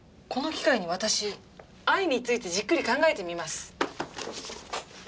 この機会に私「愛」についてじっくり考えてみます。